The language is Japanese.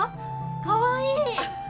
かわいい。